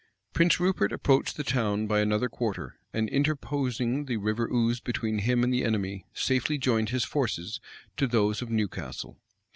Prince Rupert approached the town by another quarter, and, interposing the River Ouse between him and the enemy, safely joined his forces to those of Newcastle.